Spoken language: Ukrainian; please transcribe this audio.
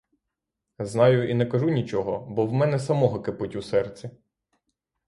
Знаю і не кажу нічого, бо в мене самого кипить у серці.